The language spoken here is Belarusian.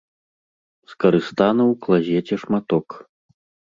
Скарыстаны ў клазеце шматок.